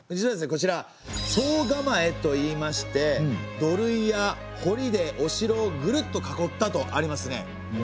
こちら惣構といいまして土塁やほりでお城をぐるっと囲ったとありますね。